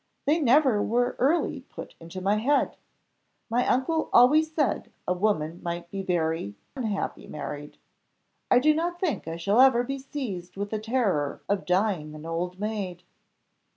They never were early put into my head; my uncle always said a woman might be very happy unmarried. I do not think I shall ever be seized with a terror of dying an old maid."